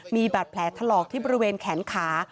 มีบาดแผลถลอกที่บริเวณแขนขา